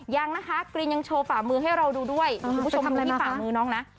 ยังนะคะกรีนยังโชว์ฝ่ามือให้เราดูด้วยคุณผู้ชมดูที่ฝ่ามือน้องนะ